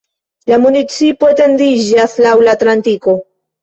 La municipo etendiĝas laŭ la Atlantiko.